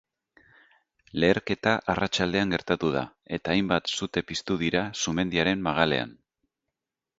Leherketa arratsaldean gertatu da, eta hainbat sute piztu dira sumendiaren magalean.